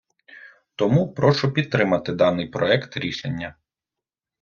Тому прошу підтримати даний проект рішення.